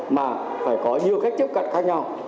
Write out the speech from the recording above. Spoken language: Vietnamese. mà phải có nhiều cách tiếp cận khác nhau